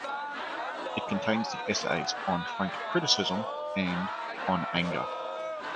It contains the essays "On Frank Criticism" and "On Anger".